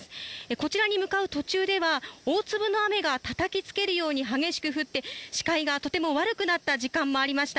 こちらに向かう途中では大粒の雨が、たたきつけるように激しく降って視界がとても悪くなった時間もありました。